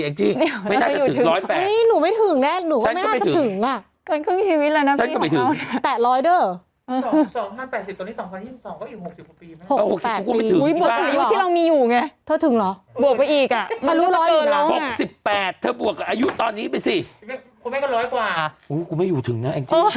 นี่หนูไม่ถึงแน่หนูว่าไม่น่าจะถึงน่ะ